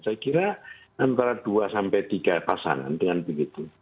saya kira antara dua sampai tiga pasangan dengan begitu